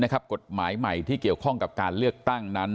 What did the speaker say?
กฎหมายใหม่ที่เกี่ยวข้องกับการเลือกตั้งนั้น